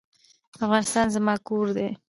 افغانستان زما کور دی.